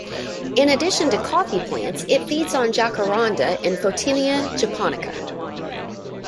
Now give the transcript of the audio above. In addition to coffee plants it feeds on jacaranda and "Photinia japonica".